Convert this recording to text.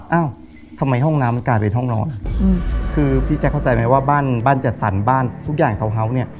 เอ้าทำไมห้องน้ำมันกลายเป็นห้องนอนคือพี่แจ๊คเข้าใจไหมว่าบ้านบ้านจัดสรรบ้านทุกอย่างทาวน์เฮาส์เนี่ย